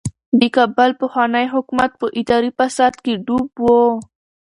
د کابل پخوانی حکومت په اداري فساد کې ډوب و.